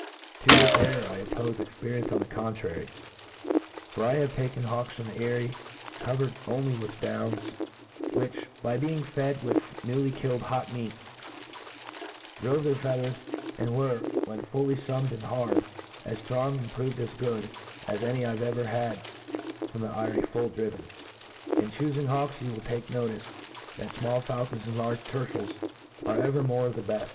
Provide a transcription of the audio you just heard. To this error I oppofe ex perience of the. contrary; for I have taken hawks from the eyrie, covered only with downs, vhich, by biding fed high vith newly killed hot »3« A T R E A T I S E O F hot meat, drove their feathers, and were, whcii fully fummed and faa^d, as ftrong, and proved as good as ^sxy I ever had from the eyrie full driven« In chufing hawks, you will take notice, that fmall faulcons and large tercels are evermore the bed.